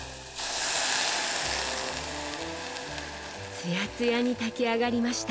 つやつやに炊き上がりました。